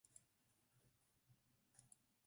舒伯特是一位非常多产的奥地利作曲家。